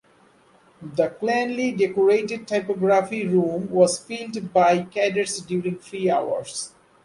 The cleanly decorated topography room was filled by cadets during free hours.